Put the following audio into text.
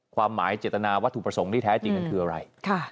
ความหมายเจตนาวัตถุประสงค์ที่แท้จริงมันคืออะไร